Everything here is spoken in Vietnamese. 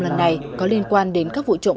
lần này có liên quan đến các vụ trộm